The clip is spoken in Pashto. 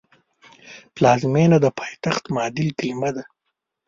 پلازمېنه د پایتخت معادل کلمه ده